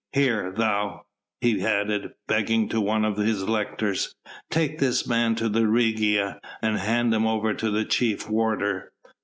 "Here! thou!" he added, beckoning to one of his lictors, "take this man to the Regia and hand him over to the chief warder."